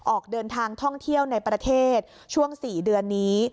ออกเดินทางท่องเที่ยวในประเทศช่วง๔เดือนนี้